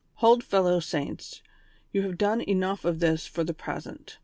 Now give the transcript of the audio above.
165 " Hold, fellow saints, you have done enough of this for the present.